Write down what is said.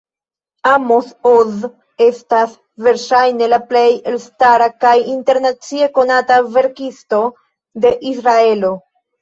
Amos Oz estas verŝajne la plej elstara kaj internacie konata verkisto de Israelo.